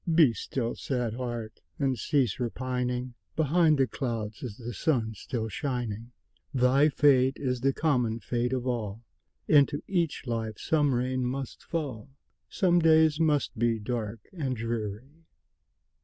Be still, sad heart! and cease repining; Behind the clouds is the sun still shining; Thy fate is the common fate of all, Into each life some rain must fall, Some days must be dark and dreary.